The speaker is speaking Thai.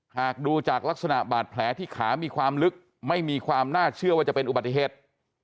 หากดูจากลักษณะบาดแผลที่ขามีความลึกไม่มีความน่าเชื่อว่าจะเป็นอุบัติเหตุ